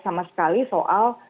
sama sekali soal